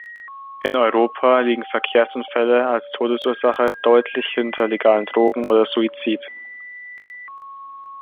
In Europa liegen Verkehrsunfälle als Todesursache deutlich hinter legalen Drogen oder Suizid.